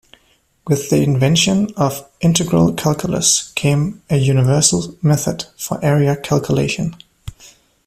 With the invention of integral calculus came a universal method for area calculation.